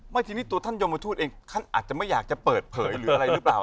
ทีนี้ตัวท่านยมทูตเองท่านอาจจะไม่อยากจะเปิดเผยหรืออะไรหรือเปล่า